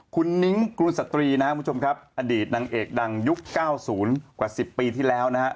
คุณนิ้งกรุงสตรีนะครับคุณผู้ชมครับอดีตนางเอกดังยุค๙๐กว่า๑๐ปีที่แล้วนะฮะ